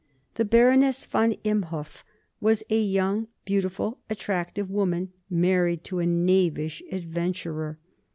The Baroness von Imhoff was a young, beautiful, attractive woman, married to a knavish adventurer.